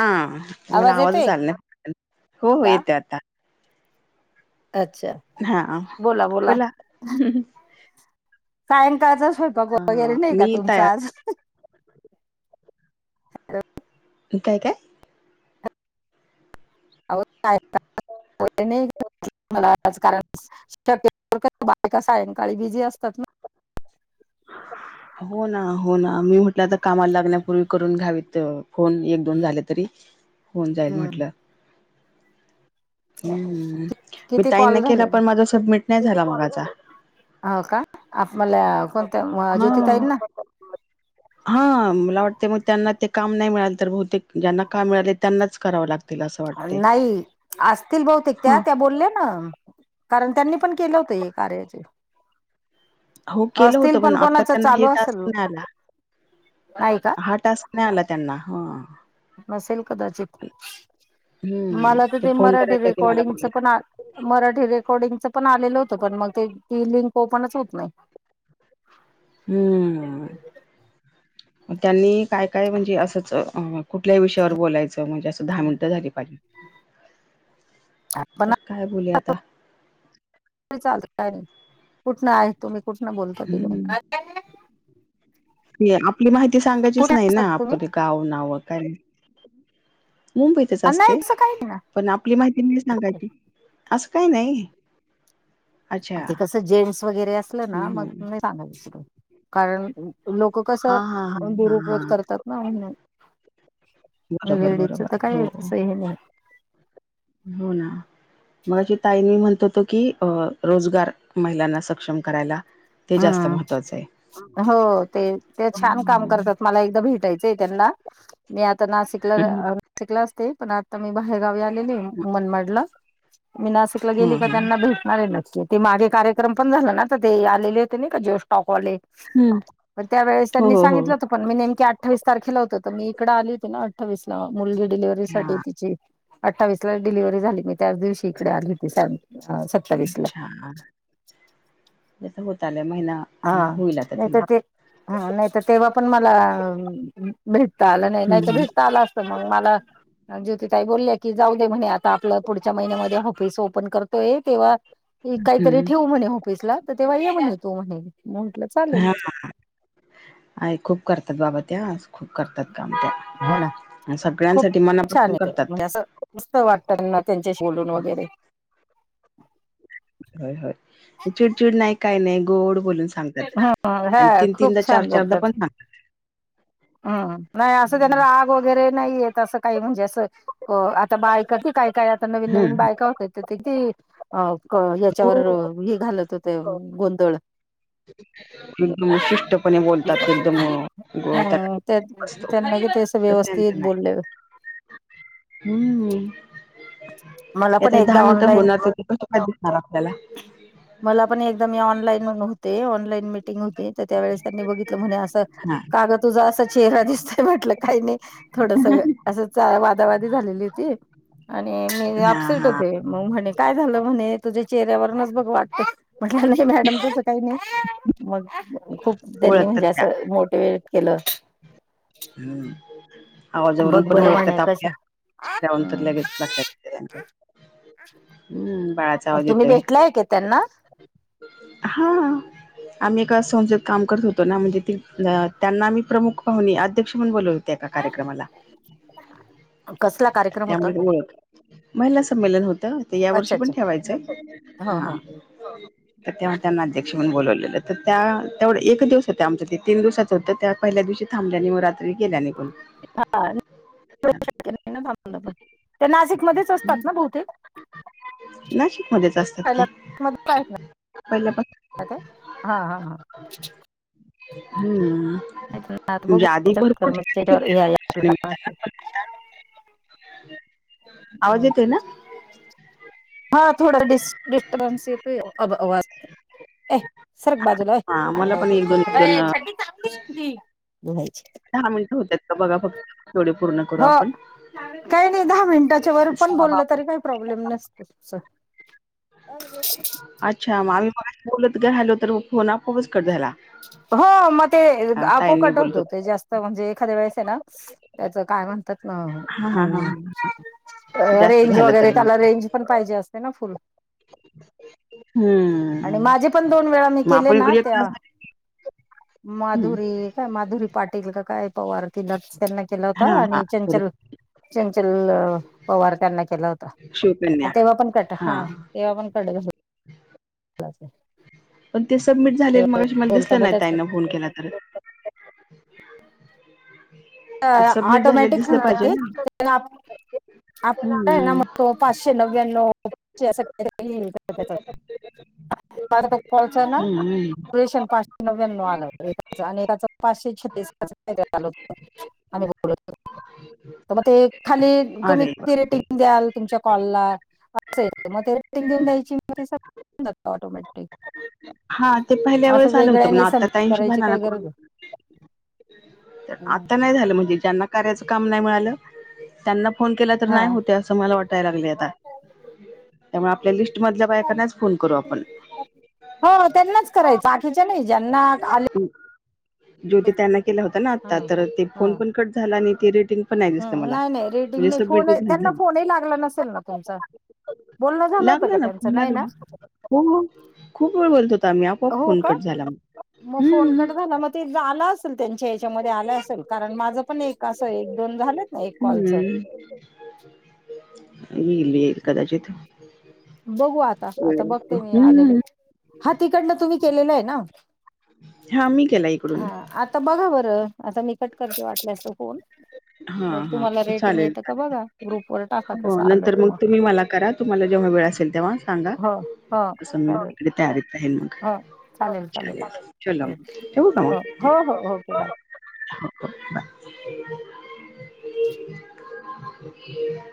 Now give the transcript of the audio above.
हा मला आवाज आला नाय. हो हो का? येते आता. अच्छा, हा बोला बोला. सायंकाळचा स्वयंपाक हा वगैरे नाही का मी तुमचा तया आज? काय काय? [unintelligible] कारण शकतो कधी बायका सायंकाळी बिझी असतात ना. [inaudible] हो ना हो ना मी म्हटलं आता कामाला लागण्यापूर्वी करून घ्यावीत फोन एक दोन झाले तरी होऊन जाईल हम्म म्हटलं. हम्म मी किती ताईन कॉल न केला झाले मग? पण माझा सबमिट नाही झाला मागाचा. हो का आस मला. [unintelligible] हा- हा मला वाटते मग त्यांना ते काम नाही मिळाल तर बहुतेक ज्यांना काम मिळाले त्यांनाच करावं लागत. नाही असतील बहुतेक त्या त्या बोलल्या ना कारण त्यांनी पण केलं होत हे कार्याचे हो केलं होत असतील पण आता कोणाच त्यांना चालू हे टास्क असेल नाही आला नाही का हा टास्क नाही आला त्यांना हा नसेल कदाचित हम्म, मला तर ते फोन मराठी करायच्या आधी मला रेकॉर्डिंगच बोलल्या. पण मराठी रेकॉर्डिंगच पण आलेलं होतं, पण मग ते ती लिंक ओपणच होत नाही. ह. हम्म, त्यांनी काय काय म्हणजे, असंच अ कुठल्याही विषयावर बोलायचं, म्हणजे असं दहा मिनिटं झाली पाहिजे. तर काय बोलुया आता? चालतय काय नाही, कुठन आहे तुम्ही कुठन बोलतो हम्म, तिथ? आपली माहिती सांगायचीच कुठे नाही ना, असतात तुम्ही आपण गावं नावं काय? मुंबईतच नाही असते. तसं काही नाही पण आपली माहिती नाही सांगायची, असं काही नाही. अच्छा. ते कसं जेन्टस वगैरे असलं हं, ना, मग हं. नाही सांगयच, कारण लोक ओझं- कसं, हां, हां, हां, हां, दुरुपयोग हां. करतात ना म्हणून. बरोबर, वेळेच बरोबर. तर काय, हो, येतसं हे नाही. हो ना. ‌ मगाशी ताई मी म्हणत होतो की, रोजगार महिलांना सक्षम करायला. ते जास्त हम्म, महत्त्वाचं आहे. हो ते ते छान काम हं. करतात, मला एकदा भेट टायचय त्यांनला, मी आता नाशिकला हम्म तिकडं असते. पण आता मी बाहेरगावी आलेले आहे, मनमाडला, मी नाशिक ला हो गेले का त्यांना भेटणार आहे नक्की, ते मागे कार्यक्रम पण झाला ना, ते आलेले होते नाही का, जे टॉप वाले मग त्यावेळेस त्यांनी हो हो सांगितले पण मी नेमकी अठ्ठावीस तारखेला होत, हो तर मी इकडे आली होती ना अठ्ठावीसला, मुली डिललेव्हरीसाठी हा तिची. अठ्ठावीसलाच डिलिव्हरी झाली, मी त्याच दिवशी इकडे आली [unintelligible] अच्छा, होत आल्या, महिना हा होईल आता नाही तर तिला. ते हा, नाही तर तेव्हा पण मला भेटता आलं नाही, नाही तर हम्म भेटता आला असत. मग मला ज्योतिताई बोलली, जाऊ दे म्हणे आता आपलं पुढच्या महिन्यामध्ये ऑफिस ओपन करत तेव्हा कायतर हम्म ठेवू म्हणे ऑफिसला, तेव्हा ये म्हणे, तो म्हणे म्हटलं चालेल. अ खूप करतात बाबा त्या, खूप करतात काम त्या. हो ना, आणि खूप सगळ्यांसाठी छान मनापासून आहे, केलं करतात म्हणजे असं मस्त वाटतं ना त्यांचेशी बोलून वगैरे. हो हो, चिडचिड नाही काय नाही, गोड बोलून सांगतात, हा आणि हा तीन तीनदा खूप चार छान चारदा बोलतात पण सांगतात. हम्म, नाही असं ग तर आग वगैरे नाहीयेत असं काही म्हणजे असं, आता बायका काय काय आता, नवीन नवीन हम्म बायका होत्या ते ते अ याच्यावर किती, हे घालत होते, गोंधळ. [inaudible] एकदम शिष्टपणे बोलतात एकदम, अ [unintelligible] असतो. त्यांना कि ते असं तर त्यांचं व्यवस्थित नाही बोलले. हम्म. मला पण आता हे दहा एकदा मिनटं ऑनलाईन होणार, तर ते कसं काय दिसणार आपल्याला? मला पण एकदा मी ऑनलाईन होते, ऑनलाईन मिटिंग होती, तर त्यावेेळेस त्यांनी बघितलं म्हणे असं हा का गं तुझा असा चेहरा दिसतोय, म्हटलं काई नाई. थोडसं, असंच वादावादी झालेली होती, आणि मी हा अपसेट हा होते, मग म्हणे काय झालं म्हणे, तुझ्या चेहऱ्यावरूनच बघ वाट म्हटलं नई मॅडम, तसं काई नई, मग खूप, त्यांनी ओळखतात म्हणजे असं, मोटिवेट केलं. हम्म, आवाजावरून बघ पण बरं म्हणे ओळखतात कसे आपल्या, चेहरावरून तर लगेच लक्षात येतं त्यांच्या, हम्म. बाळाचा आवाज तुम्ही येतोय, भेटलाय का त्यांना हा. आम्ही एका संस्थेत काम करत होतो ना, म्हणजे त्यांना आम्ही प्रमुख पाहूणे, अध्यक्ष म्हणून बोलवलं - तं एका कार्यक्रमाला. कसला कार्यक्रम होता? त्यामुळे ते ओळख महिला संमेलन होतं, आता या अच्छा वर्षी पण अच्छा ठेवायचंय, हो हो हा. तर तेव्हा त्यांना अध्यक्ष म्हणून बोलवलेलं, तर त्या तेवढं एक दिवस होत्या. आमचं ते तीन दिवसाचं होतं त्या पहिल्या दिवशी थांबल्या नी म रात्री गेल्या निघून [unintelligible] त्यांना शक्य नाई ना थांबणं पण, त्या नासिकमधेच असतात ना बहुतेक. नाशिकमध्येच [unintelligible] असतात की [inaudible] हा पहिल्यापासून हा हा. हूंम्म्म. नाई तर [unintelligible] बघू. ती त्यांच्याच भरपूर ठिकाणी कर्मचाऱ्यावर हे आहे आपलं फिरली काय म्हणतात. नोकरीच्या निमित्तानं. [inaudible] आवाज हं. येतोय ना? हा थोडा डिस्टरबन्स येतोय [unintelligible] अय, सरक बाजूला हां, मला पण व्हय [unintelligible] अ, [unintelligible] धुवायचीत. दहा मिनटं होत्यात का बघा फक्त. तेवढे पुर्ण हो!, काई नाई दहा मिनिटाच्या वर पण साबा बोललं तरी काय, प्रॉब्लेम नसतो [unintelligible] अच्छा, मग आम्ही मघाशी बोलत उभ्या राहिलो तर फोन आपोआपच कट झाला. हो, मग ते अ, आपोआप ताईंनी कट बोलत होतं होत्या. ते जास्त म्हणजे एखादे वेळेस ए ना, त्याचं काय म्हण -णतात ना, हां, हां, हां, हां. जास्त रेंज झालं वगैरे तर मग. त्याला रेंज पण पाहिजे असते ना फुल आणि हं. माझे पण दोन वेळा मी मग केले आपण ना, इकडे त्या एकटाच हं. माधुरी, काय माधुरी पाटील का काय पवार तिलाच, त्यांना केला होता हां, हां. आणि चंचल बरोबर. चंचल पवार त्यांना केला होता, शिवकन्या. पण तेव्हा पण कट, हां. हा तेव्हा पण [unintelligible] [unintelligible] पण ते सबमिट झालेल तेव्हा मगाशी मला बोलता दिसलं नाही बोलताच कट ताईंना फोन केला तर सबमिट झालेलं ऑटोमॅटिक दिसलं होत पाहिजे ते ना? हं, हं. [unintelligible] पाचशे नव्यान्नाव [unintelligible] [unintelligible] [unintelligible] होत हं, हं. मग ते खाली तुम्ही अरे बापरे! [unintelligible] [unintelligible] ऑटोमॅटिक, हा ते पहिल्या असं वेळेस आलं होतं पण वेगळ्यांनी आता संमिट ताईंशी करायची झाला ना काय गरज कॉल ये तर आता नाही झालं म्हणजे, ज्यांना कार्याचं काम नाही मिळालं त्यांना फोन केला तर नाही हा होते अस अस मला वाटायला लागले आता, त्यामुळे आपल्या लिस्ट मधल्या बायकांनाच फोन करू आपण हो त्यांनाच करायच बाकीच्या नाही ज्यांना आ [unintelligible] ज्योती ताईंना केला होता ना हा आता तर ते फोन पण कट झाला आणि ते रेटिंग पण नाही दिसलं हम्म मला नाही नाही रेडिंग म्हणजे नाही फोन सबमिटच नाही त्यांना झालं फोनही लागला नसेल ना तुमचा बोलणं झालं होतं लागला का ना त्यांचं फोन नाही ना लागला, हो हो खूप वेळ बोलत होत आम्ही, आपोआप हो फोन का कट झाला मग फोन हम्म कट झाला मग ते आला असेल त्यांच्या याच्यामध्ये आलं असेल कारण माझं पण एक कसं एक दोन झाल हम्म येईल येईल कदाचित, बघू आता, आता बघते मी आलेले, हम्म हा तिकडन तुम्ही केलेलं आहे ना हा मी केला इकडून हा आता बघा बरं, आता मी कट करते वाटल्या अस फोन, हा मग हा तुम्हाला रेटिंग चालेल येत चालेल बघा ग्रुप वर टाका हो तसं आलं नंतर तर मग तुम्ही मला कराल? तुम्हाला जेव्हा वेळ असेल तेव्हा? सांगा, हो हो तस मी चालेल इकडे तयारीत राहील मग चालेल चालो हो ठेऊ का म हो हो ओके हो बाय हो बाय [unintelligible]